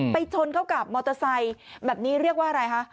ชนเข้ากับมอเตอร์ไซค์แบบนี้เรียกว่าอะไรคะ